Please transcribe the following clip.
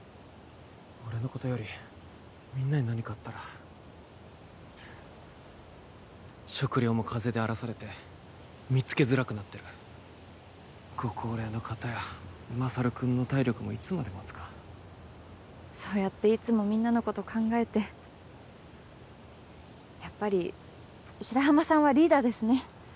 俺のことよりみんなに何かあったら食料も風で荒らされて見つけづらくなってるご高齢の方や将くんの体力もいつまで持つかそうやっていつもみんなのこと考えてやっぱり白浜さんはリーダーですね